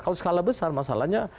kalau skala besar masalahnya